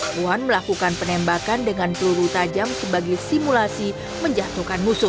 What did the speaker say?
puan melakukan penembakan dengan peluru tajam sebagai simulasi menjatuhkan musuh